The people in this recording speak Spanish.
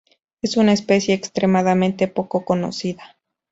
Es una especie extremadamente poco conocida.